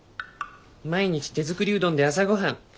「毎日手づくりうどんで朝ごはん。